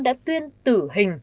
đã tuyên tử hình